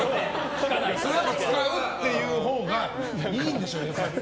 それは使うっていうほうがいいんでしょうね。